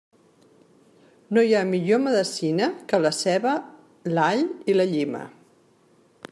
No hi ha millor medecina que la ceba, l'all i la llima.